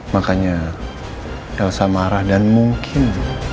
makanya rasa marah dan mungkin